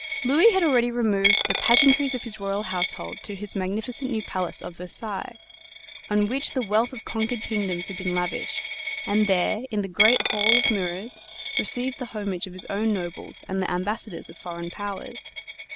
Louis had already removed the pageantries of his royal household to his magnificent new palace of Versailles, on which the wealth of conquered kingdoms had been lavished, and there, in the Great Hall of Mirrors, received the homage of his own nobles and the ambassadors of foreign powers.